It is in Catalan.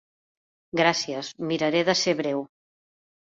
Gràcies, miraré de ser breu.